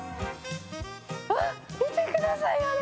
わっ、見てください、あれ！